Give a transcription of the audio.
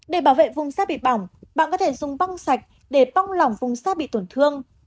để bảo vệ vùng da bị bỏng bạn có thể dùng băng sạch để bong lỏng vùng da bị tổn thương